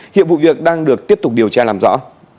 hiện vụ việc đang được tiếp tục điều tra làm rõ